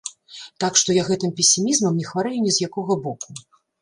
Так што, я гэтым песімізмам не хварэю ні з якога боку.